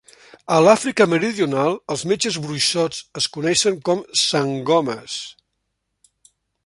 A l'Àfrica meridional, els metges-bruixots es coneixen com "sangomas".